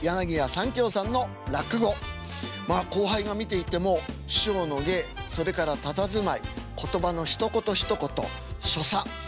まあ後輩が見ていても師匠の芸それからたたずまい言葉のひと言ひと言所作全てがお手本です。